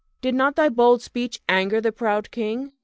Did not thy bold speech anger the proud king?